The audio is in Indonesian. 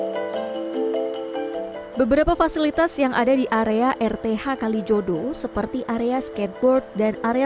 hai beberapa fasilitas yang ada di area rth kalijodo seperti area skateboard dan area